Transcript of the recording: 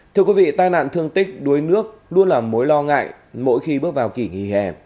thưa quý vị tai nạn thương tích đuối nước luôn là mối lo ngại mỗi khi bước vào kỷ nghỉ hè